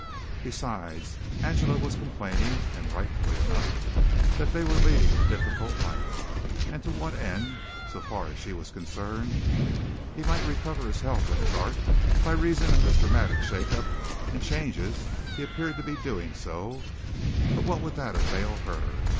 Besides, Angela was complaining, and rightfully enough, that they were leading a difficult life and to what end, so far as she was concerned? He might recover his health and his art (by reason of his dramatic shake up and changes he appeared to be doing so), but what would that avail her?